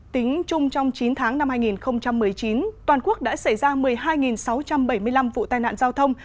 tính chung trong chín tháng năm hai nghìn một mươi chín toàn quốc đã xảy ra một mươi hai sáu trăm bảy mươi năm vụ tai nạn giao thông